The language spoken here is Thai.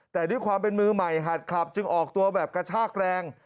แต่ด้วยความเป็นมือใหม่หัดขับจึงออกตัวแบบกระชากแรง